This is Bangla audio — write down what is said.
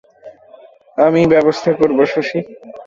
আমিই ব্যবস্থা করব শশী।